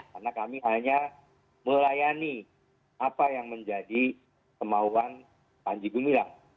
karena kami hanya melayani apa yang menjadi kemauan panji gumilang